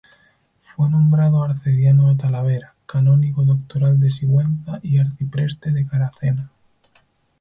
Fue nombrado arcediano de Talavera, canónigo doctoral de Sigüenza y arcipreste de Caracena.